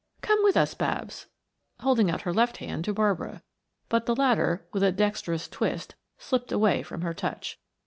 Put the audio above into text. Come with us, Babs," holding out her left hand to Barbara. But the latter, with a dexterous twist, slipped away from her touch.